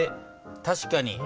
確かに。